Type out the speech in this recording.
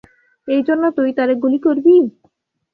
এই জন্য তুই তারে গুলি করবি?